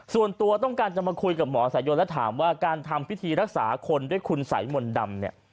ส่วนตัวต้องการจะมาคุยกับหมอสายยนแล้วถามว่าการทำพิธีรักษาคนด้วยคุณสัยมนต์ดำเนี่ย